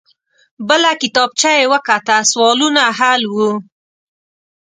بله کتابچه يې وکته. سوالونه حل وو.